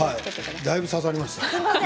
だいぶ刺さりました。